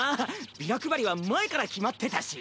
ビラ配りは前から決まってたし。